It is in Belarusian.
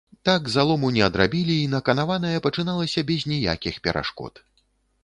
Так залому не адрабілі, й наканаванае пачыналася без ніякіх перашкод.